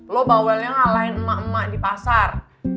lo bawelnya ngalahin emak emak di pasar